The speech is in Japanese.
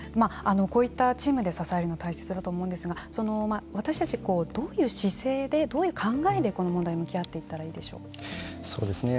こういったチームで支えるのは大切だと思うんですけれども私たち、どういう姿勢でどういう考えでこの問題に向きあっていったらそうですね